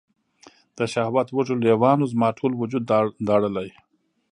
د شهوت وږو لیوانو، زما ټول وجود داړلي